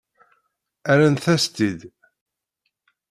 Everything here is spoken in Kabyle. Rrant-as-tt-id.